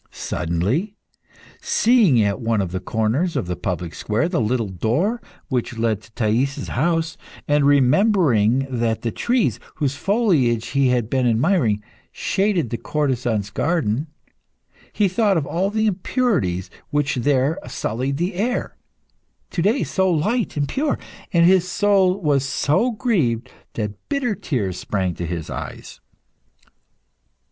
Suddenly, seeing at one of the corners of the public square the little door which led to Thais' house, and remembering that the trees, whose foliage he had been admiring, shaded the courtesan's garden, he thought of all the impurities which there sullied the air, to day so light and pure, and his soul was so grieved that bitter tears sprang to his eyes.